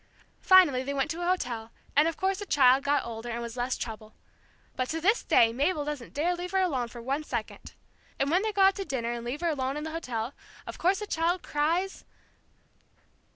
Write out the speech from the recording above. Finally they went to a hotel, and of course the child got older, and was less trouble. But to this day Mabel doesn't dare leave her alone for one second. And when they go out to dinner, and leave her alone in the hotel, of course the child cries